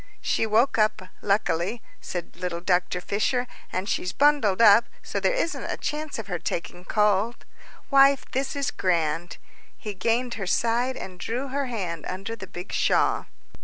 "She woke up, luckily," said little Dr. Fisher, "and she's bundled up so there isn't a chance of her taking cold. Wife, this is grand!" He gained her side, and drew her hand under the big shawl.